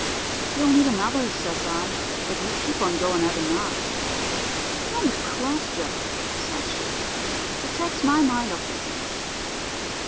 "'You'll need another,' says I, 'if you keep on going every night.' "'Don't be cross, Jeff,' says she; 'it takes my mind off business.